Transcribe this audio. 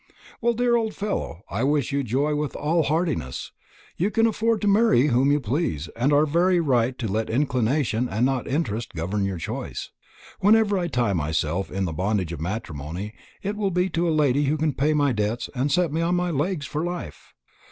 "Well, dear old follow, I wish you joy with all heartiness. You can afford to marry whom you please, and are very right to let inclination and not interest govern your choice. Whenever I tie myself in the bondage of matrimony, it will be to a lady who can pay my debts and set me on my legs for life.